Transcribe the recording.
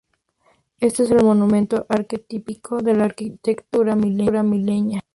Este es el monumento arquetípico de la arquitectura limeña.